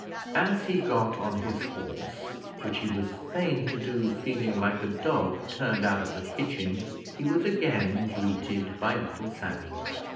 As he got on his horse, which he was fain to do feeling like a dog turned out of a kitchen, he was again greeted by little Sammy.